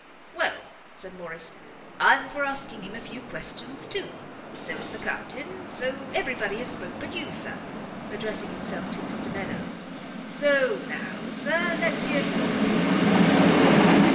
"Well," said Morrice, "I'm for asking him a few questions too; so is the Captain; so every body has spoke but you, Sir," addressing himself to Mr Meadows, "So now, Sir, let's hear your opinion."